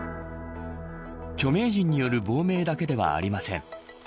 著名人による亡命だけではありません。